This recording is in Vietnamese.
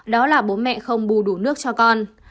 đó là bố mẹ không bù đủ nước cho con